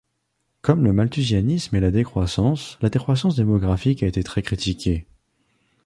Comme le malthusianisme et la décroissance, la décroissance démographique a été très critiquée.